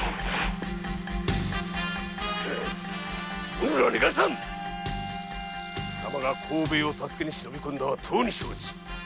うぬら逃がさぬ貴様が幸兵衛を助けに忍び込んだはとうに承知。